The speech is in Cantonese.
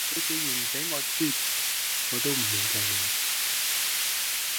你既然唔畀我啜，我都唔勉強你